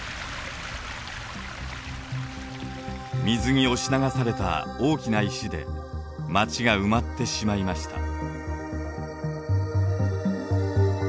水に押し流された大きな石で町が埋まってしまいました。